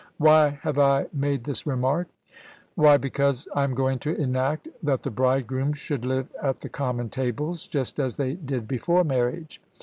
Why have I made this remark? Why, because I am going to enact that the bridegrooms should live at the common tables, just as they did before marriage.